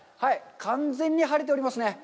完全に晴れておりますね。